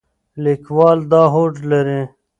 لیکوال دا هوډ لري.